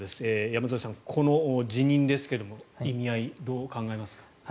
山添さん、この辞任ですが意味合い、どう考えますか。